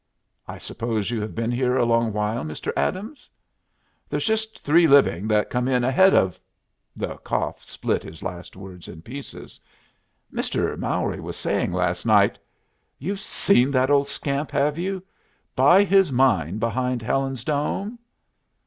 "I suppose you have been here a long while, Mr. Adams?" "There's just three living that come in ahead of " The cough split his last word in pieces. "Mr. Mowry was saying last night " "You've seen that old scamp, have you? Buy his mine behind Helen's Dome?"